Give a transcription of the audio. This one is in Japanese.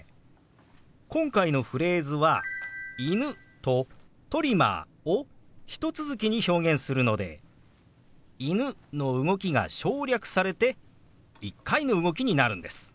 今回のフレーズは「犬」と「トリマー」をひと続きに表現するので「犬」の動きが省略されて１回の動きになるんです。